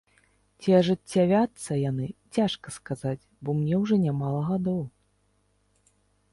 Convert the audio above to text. Ці ажыццявяцца яны, цяжка сказаць, бо мне ўжо нямала гадоў.